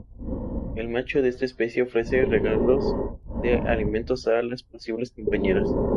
El macho de esta especie ofrece regalos de alimentos a las posibles compañeras.